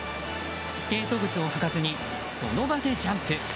スケート靴を履かずにその場でジャンプ。